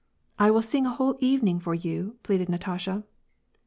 "I will sing a whole evening for you," pleaded Natasha.